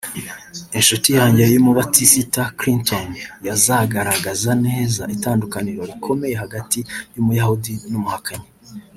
Inshuti yanjye y’Umubatisita [Clinton] yazagaragaza neza itandukaniro rikomeye hagati y’Umuyahudi n’umuhakanyi